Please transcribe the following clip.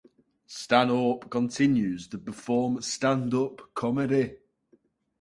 Stanhope continues to perform standup comedy.